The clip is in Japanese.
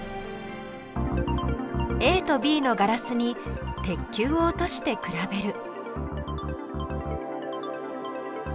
ＡとＢのガラスに鉄球を落として比べる。